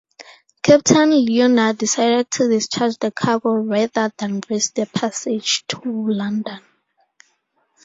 Captain Leonard decided to discharge the cargo rather than risk the passage to London.